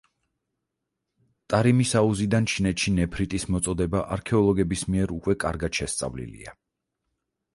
ტარიმის აუზიდან ჩინეთში ნეფრიტის მიწოდება არქეოლოგების მიერ უკვე კარგად შესწავლილია.